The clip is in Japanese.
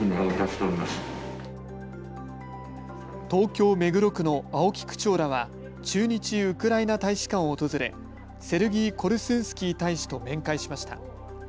東京目黒区の青木区長らは、駐日ウクライナ大使館を訪れセルギー・コルスンスキー大使と面会しました。